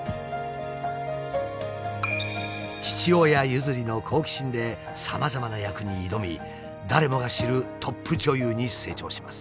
父親譲りの好奇心でさまざまな役に挑み誰もが知るトップ女優に成長します。